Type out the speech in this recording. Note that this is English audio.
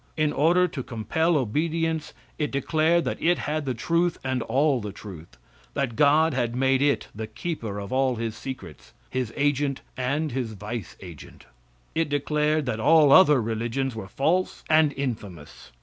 In order to compel obedience it declared that it had the truth and all the truth; that God had made it the keeper of all his secrets; his agent and his vice agent. It declared that all other religions were false and infamous.